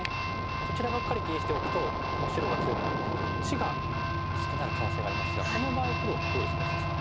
こちらばっかり気にしておくとこの白が強くなってこっちが薄くなる可能性がありますがこの場合黒どうですか安田さん。